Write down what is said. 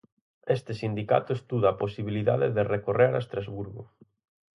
Este sindicato estuda a posibilidade de recorrer a Estrasburgo.